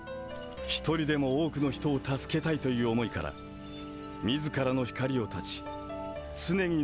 １人でも多くの人を助けたいという思いから自らの光を断ち常に能力を発動し続け